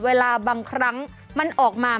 เวลาบางครั้งมันออกมา